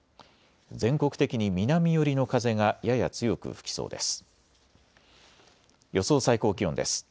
全国的に南寄りの風がやや強く吹きそうです。